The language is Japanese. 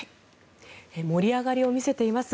盛り上がりを見せています